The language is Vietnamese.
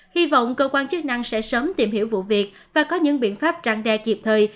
hy vọng cơ quan chức năng sẽ sớm tìm hiểu vụ việc và có những biện pháp trang đe kịp thời